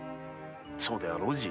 そうであろうじぃ？